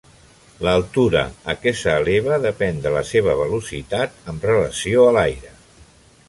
L'altura a què s'eleva depèn de la seva velocitat amb relació a l'aire.